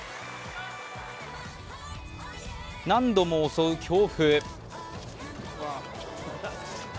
何度も襲う強風。